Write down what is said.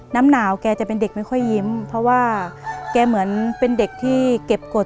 น้ำหนาวแกจะเป็นเด็กไม่ค่อยยิ้มเพราะว่าแกเหมือนเป็นเด็กที่เก็บกฎ